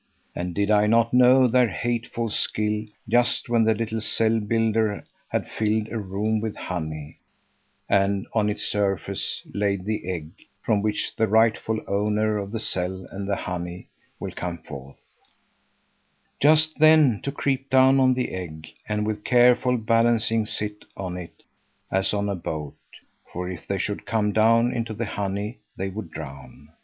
And did I not know their hateful skill just when the little cell builder has filled a room with honey and on its surface laid the egg from which the rightful owner of the cell and the honey will come forth, just then to creep down on the egg and with careful balancing sit on it as on a boat; for if they should come down into the honey, they would drown.